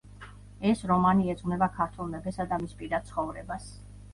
ეს რომანი ეძღვნება ქართველ მეფესა და მის პირად ცხოვრებას.